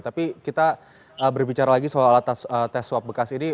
tapi kita berbicara lagi soal alatas tes swab bekas ini